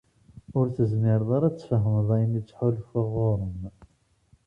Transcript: ur tezmireḍ ara ad tfahmeḍ ayen i ttḥulfuɣ ɣur-m.